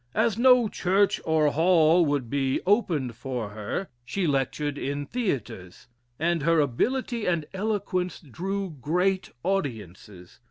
As no church or hall would be opened for her, she lectured in theatres; and her ability and eloquence drew great audiences.